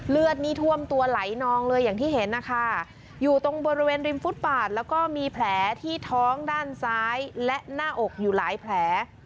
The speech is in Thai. เลือดนี่ท่วมตัวไหลนองเลยอย่างที่เห็นนะคะอยู่ตรงบริเวณริมฟุตบาทแล้วก็มีแผลที่ท้องด้านซ้ายและหน้าอกอยู่หลายแผล